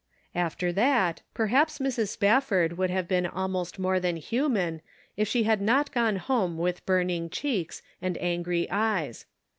After that, perhaps Mrs. Spafford would have been almost more than human if she had not gone home with burning cheeks and angry eyes.